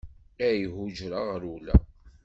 Ay hujṛeɣ rewleɣ.